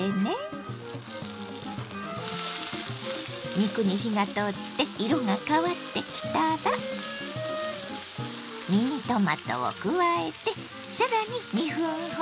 肉に火が通って色が変わってきたらミニトマトを加えて更に２分ほど炒めます。